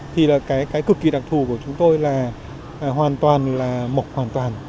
thì là cái cực kỳ đặc thù của chúng tôi là hoàn toàn là mộc hoàn toàn